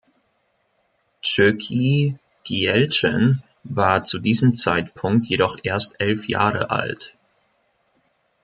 Chökyi Gyeltshen war zu diesem Zeitpunkt jedoch erst elf Jahre alt.